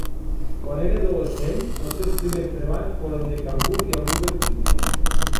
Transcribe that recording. Quan era adolescent, els seus primers treballs foren de cangur i a Burger King.